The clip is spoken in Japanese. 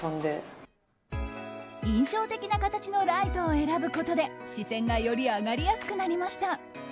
印象的な形のライトを選ぶことで視線がより上がりやすくなりました。